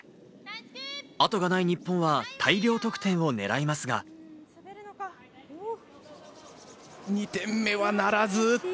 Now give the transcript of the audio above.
あとがない日本は大量得点を２点目はならず。